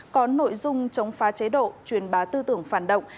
có nội dung chống phá chế độ truyền bá tư tưởng phản động